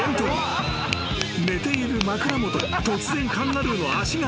［寝ている枕元に突然カンガルーの足が］